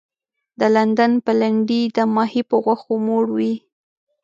د لندن پلنډي د ماهي په غوښو موړ وي.